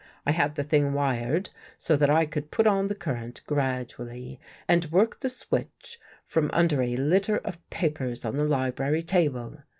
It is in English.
I had the thing wired so that I could put on the current gradually and work the switch from under a litter of papers on the library table.